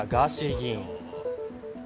議員。